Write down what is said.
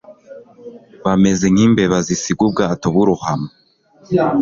Bameze nkimbeba zisiga ubwato burohama.